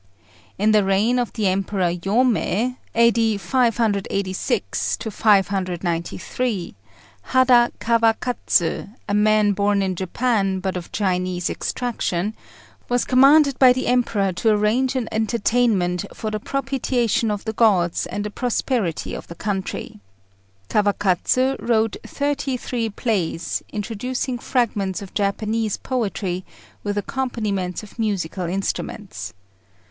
In the reign of the Emperor Yômei (A.D. 586 593), Hada Kawakatsu, a man born in Japan, but of Chinese extraction, was commanded by the Emperor to arrange an entertainment for the propitiation of the gods and the prosperity of the country. Kawakatsu wrote thirty three plays, introducing fragments of Japanese poetry with accompaniments of musical instruments.